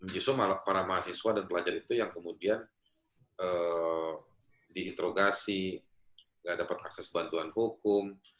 justru malah para mahasiswa dan pelajar itu yang kemudian diinterogasi nggak dapat akses bantuan hukum